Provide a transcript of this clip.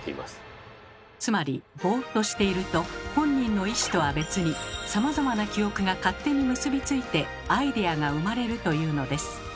つまりボーっとしていると本人の意思とは別にさまざまな記憶が勝手に結びついてアイデアが生まれるというのです。